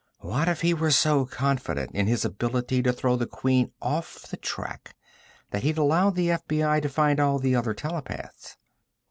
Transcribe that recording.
What if he were so confident of his ability to throw the Queen off the track that he had allowed the FBI to find all the other telepaths?